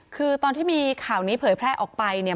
คือตอนที่มีข่าวนี้เผยแพร่ออกไปเนี่ย